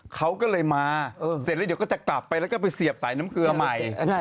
เขาก็เลยมาเสร็จแล้วเดี๋ยวก็จะกลับไปแล้วก็ไปเสียบสายน้ำเกลือใหม่